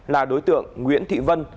là đối tượng nguyễn thị vân